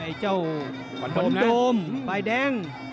ไอ้เจ้าโดมโดมฝ่ายแดง